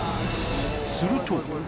すると